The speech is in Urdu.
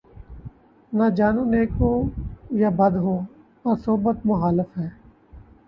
نہ جانوں نیک ہوں یا بد ہوں‘ پر صحبت مخالف ہے